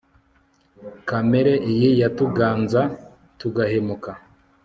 kamere iyi yatuganza tugahemuka